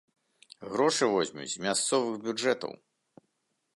Грошы возьмуць з мясцовых бюджэтаў.